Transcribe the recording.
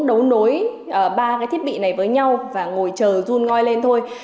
đấu nối ba cái thiết bị này với nhau và ngồi chờ run ngoi lên thôi